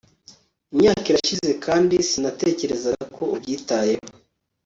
imyaka irashize kandi sinatekerezaga ko ubyitayeho